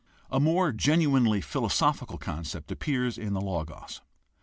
A more genuinely philosophical concept appears in the Logos.